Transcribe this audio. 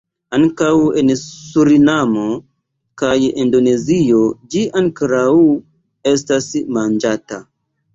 Ankaŭ en Surinamo kaj Indonezio ĝi ankoraŭ estas manĝata.